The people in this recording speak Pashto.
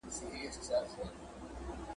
زه اړ نه یم چی را واخلم تصویرونه ,